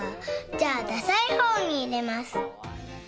じゃあ、ださいほうに入れます。